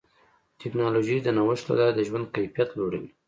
ټکنالوجي د نوښت له لارې د ژوند کیفیت لوړوي.